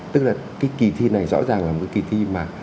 tức là cái kỳ thi này rõ ràng là một kỳ thi mà